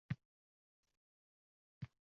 Chap taraf bilan turdim